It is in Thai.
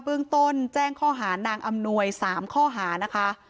เบื้องต้นแจ้งข้อหานางอำนวย๓ข้อหานะคะ